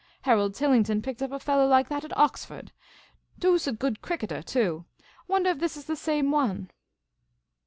Harold Tillington picked up with a fellah like that at Oxford — doosid good cricketer too ; wondah if this is the same one."